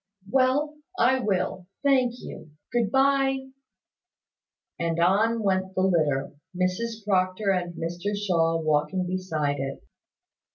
"Well, I will, thank you. Good bye." And on went the litter, with Mrs Proctor and Mr Shaw walking beside it.